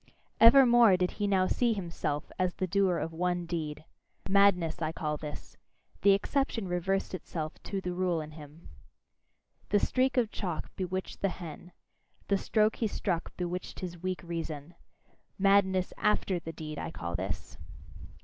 Evermore did he now see himself as the doer of one deed. Madness, I call this: the exception reversed itself to the rule in him. The streak of chalk bewitcheth the hen; the stroke he struck bewitched his weak reason. Madness AFTER the deed, I call this.